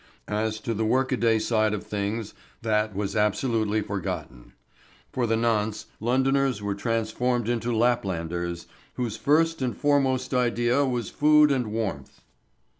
As to the work a day side of things that was absolutely forgotten. For the nonce Londoners were transformed into Laplanders, whose first and foremost idea was food and warmth.